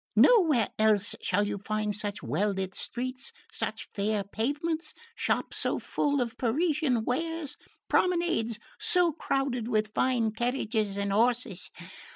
Nowhere else shall you find such well lit streets, such fair pavements, shops so full of Parisian wares, promenades so crowded with fine carriages and horses.